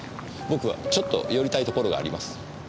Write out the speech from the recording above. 僕はちょっと寄りたいところがあります。